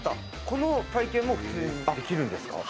この体験も普通にできるんですか？